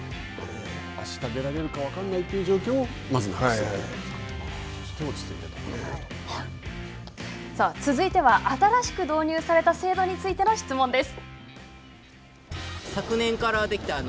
あした出られるか分からないという状況をまず。続いては、新しく導入された制度についての質問です。